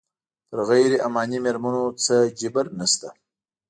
پر غیر عماني مېرمنو څه جبر نه شته.